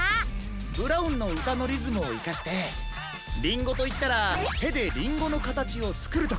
ブラウンのうたのリズムをいかしてリンゴといったらてでリンゴのかたちをつくるとか。